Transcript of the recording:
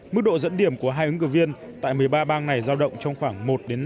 mức độ dẫn điểm của hai ứng cử viên tại một mươi ba bang này giao động trong khoảng một năm mươi